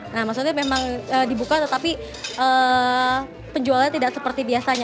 nah maksudnya memang dibuka tetapi penjualannya tidak seperti biasanya